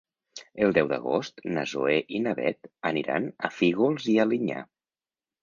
El deu d'agost na Zoè i na Bet aniran a Fígols i Alinyà.